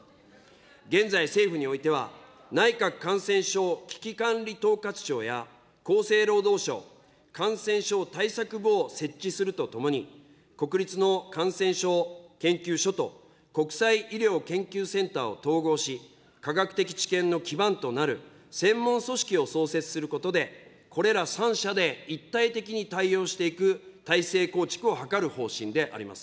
現在、政府においては、内閣感染症危機管理統括庁や、厚生労働省感染症対策部を設置するとともに、国立の感染症研究所と国際医療研究センターを統合し、科学的知見の基盤となる専門組織を創設することで、これら３者で一体的に対応していく体制構築を図る方針であります。